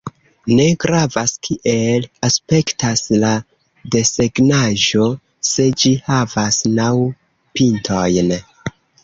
Ne gravas kiel aspektas la desegnaĵo se ĝi havas naŭ pintojn.